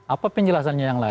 apa penjelasannya yang lain